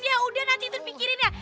ya udah nanti itu dipikirin ya